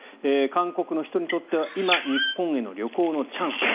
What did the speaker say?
韓国の人にとっては今、日本への旅行のチャンス。